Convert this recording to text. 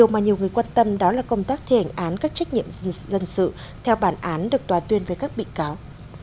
mà nhiều người quan tâm đó là công tác thi hành án các trách nhiệm dân sự theo bản án được tòa tuyên với các bị cáo